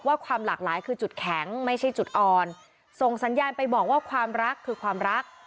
ความหลากหลายคือจุดแข็งไม่ใช่จุดอ่อนส่งสัญญาณไปบอกว่าความรักคือความรัก